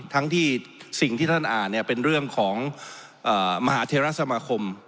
ทั้งที่สิ่งที่ท่านอ่านเนี่ยเป็นเรื่องของมหาเทราสมาคม